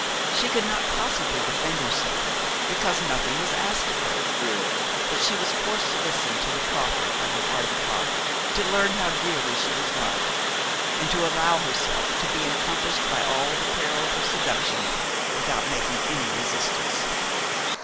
She could not possibly defend herself, because nothing was asked of her; but she was forced to listen to the proffer of an ardent heart, to learn how dearly she was loved, and to allow herself to be encompassed by all the perils of seduction without making any resistance.